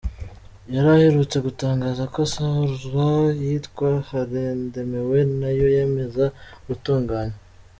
Yari aherutse gutangaza ko azasohora iyitwa ‘Warandemewe’ nayo yamaze gutunganywa.